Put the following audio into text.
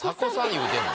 言うてんの？